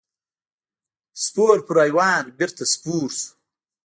سپور پر حیوان بېرته سپور شو.